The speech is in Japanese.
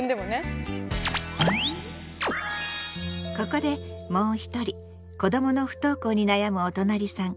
ここでもう一人子どもの不登校に悩むおとなりさん